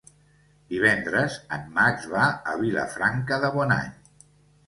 Divendres en Max va a Vilafranca de Bonany.